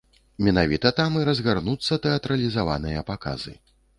Менавіта там і разгарнуцца тэатралізаваныя паказы.